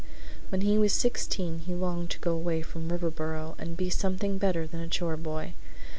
When he was sixteen he longed to go away from Riverboro and be something better than a chore boy.